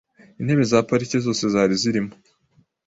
Intebe za parike zose zari zirimo .